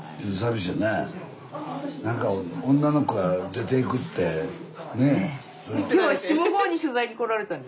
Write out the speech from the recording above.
何か女の子が出ていくってねえ。